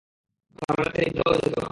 তারা রাতে নিদ্রাও যেত না।